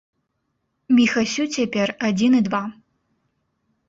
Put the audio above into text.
Міхасю цяпер адзін і два.